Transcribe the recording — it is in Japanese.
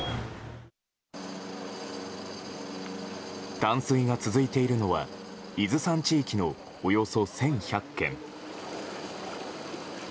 断水が続いているのは伊豆山地域のおよそ１１００軒。